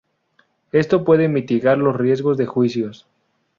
Esto puede mitigar los riesgos de juicios.